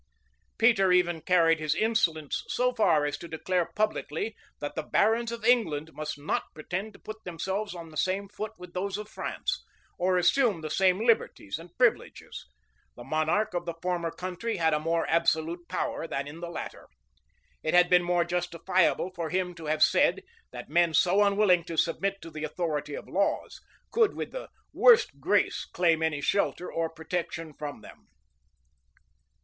Peter even carried his insolence so far as to declare publicly, that the barons of England must not pretend to put themselves on the same foot with those of France, or assume the same liberties and privileges: the monarch in the former country had a more absolute power than in the latter. It had been more justifiable for him to have said, that men so unwilling to submit to the authority of laws, could with the worst grace claim any shelter or protection from them.